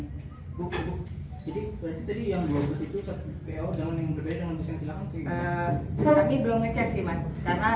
bu bu jadi tadi yang dua bus itu satu po jangan yang berbeda jangan yang silahkan sih